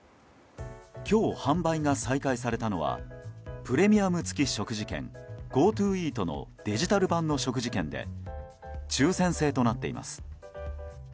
今日、販売が再開されたのはプレミアム付食事券ＧｏＴｏイートのデジタル版の食事券で抽選制となっています。